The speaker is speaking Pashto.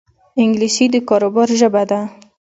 انګلیسي د کاروبار ژبه ده